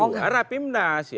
yang kedua rapimnas